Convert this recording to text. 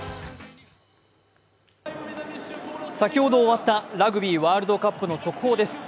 先ほど終わったラグビーワールドカップの速報です。